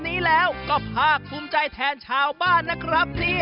นี้แล้วก็พาคุ้มใจแทนชาวบ้านนะครับ